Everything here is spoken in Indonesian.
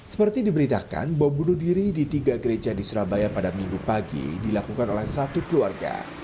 seperti diberitakan bom bunuh diri di tiga gereja di surabaya pada minggu pagi dilakukan oleh satu keluarga